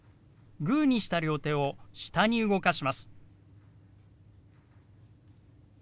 グーにした両手を下に動かします。